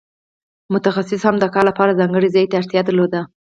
متخصص هم د کار لپاره ځانګړي ځای ته اړتیا درلوده.